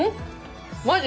マジ！？